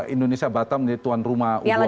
indonesia batam jadi tuan rumah